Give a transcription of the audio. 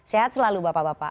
sehat selalu bapak bapak